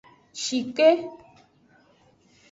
Shikpe.